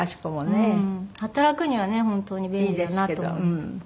働くにはね本当に便利だなと思いますね。